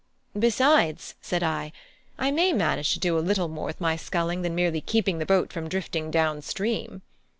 "Besides," said I, "I may manage to do a little more with my sculling than merely keeping the boat from drifting down stream."